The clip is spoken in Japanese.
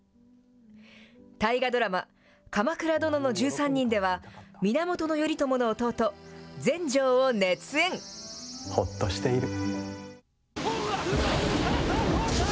大河ドラマ、鎌倉殿の１３人では、源頼朝の弟、ほっとしている。